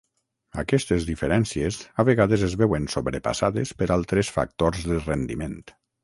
Aquestes diferències a vegades es veuen sobrepassades per altres factors de rendiment.